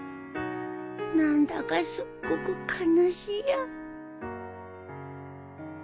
何だかすっごく悲しいや